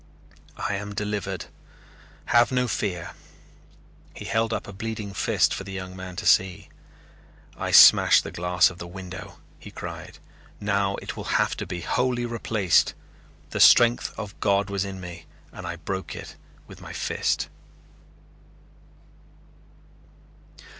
"I am delivered. Have no fear." He held up a bleeding fist for the young man to see. "I smashed the glass of the window," he cried. "Now it will have to be wholly replaced. The strength of God was in me and I broke it with my fist."